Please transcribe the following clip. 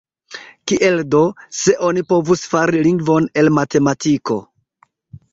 Kiel do, se oni povus fari lingvon el matematiko?